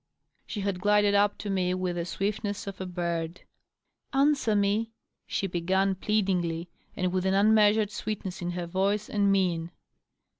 She had glided up to me with the swiftness of a bird. " Answer me," she b^n, pleadingly and with an unmeasured sweetness in voice and mien.